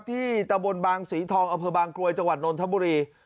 ที่ตะบนบางศรีทองอเภอบางกลวยจังหวัดนนท์ธัมบุรี